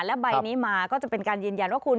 และใบนี้มาก็จะเป็นการยืนยันว่าคุณ